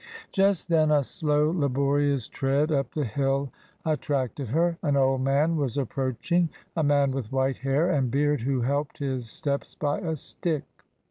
Just then a slow, laborious tread up the hill attracted her. An old man was approaching, a man with white hair and beard, who helped his steps by a stick.